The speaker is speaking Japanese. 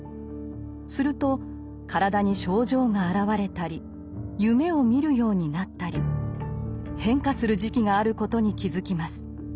すると体に症状が現れたり夢を見るようになったり変化する時期があることに気付きます。